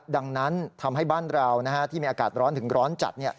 ดังนั้นทำให้บ้านเราที่มีอากาศร้อนถึงร้อนจัด